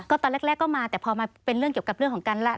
ตอนแรกก็มาแต่พอมาเป็นเรื่องเกี่ยวกับเรื่องของการละ